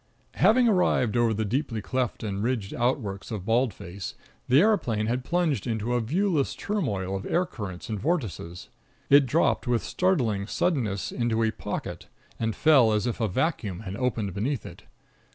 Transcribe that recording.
Having arrived over the deeply cleft and ridged outworks of Bald Face, the aeroplane had plunged into a viewless turmoil of air currents and vortices. It dropped with startling suddenness into a "pocket," and fell as if a vacuum had opened beneath it.